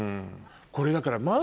これだから。